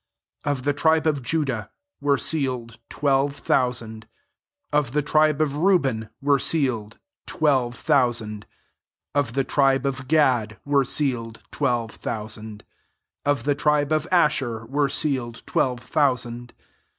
5 Of the tribe of Judah were seal ed twelve thousand. Of the aibc of Reuben [were sealed'] twelve thousand. Of the tribe )f Gad [were sealed"] twelve thousand. 6 Of the tribe of Asher [were sealed] twelve thousand.